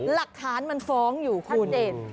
หลักฐานมันฟ้องอยู่คุณ